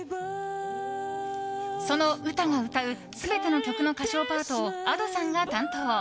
そのウタが歌う全ての曲の歌唱パートをＡｄｏさんが担当。